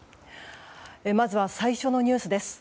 まずは最初のニュースです。